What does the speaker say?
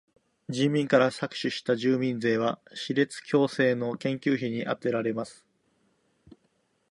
人民から搾取した住民税は歯列矯正の研究費にあてられます。